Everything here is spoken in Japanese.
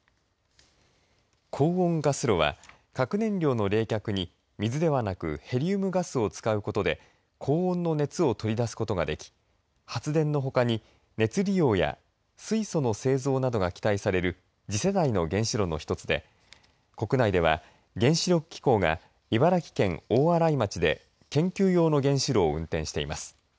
高温ガス炉は核燃料の冷却に、水ではなくヘリウムガスを使うことで高温の熱を取り出すことができ発電のほかに熱利用や水素の製造などが期待される次世代の原子炉の一つで国内では、原子力機構が茨城県大洗町で研究用の原子炉を運転しています。